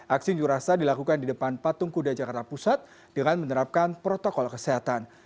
aksi unjuk rasa dilakukan di depan patung kuda jakarta pusat dengan menerapkan protokol kesehatan